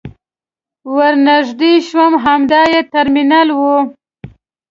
ور نژدې شوم همدا يې ترمینل و.